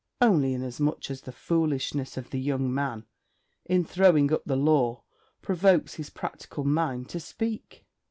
'Only inasmuch as the foolishness of the young man in throwing up the Law provokes his practical mind to speak.'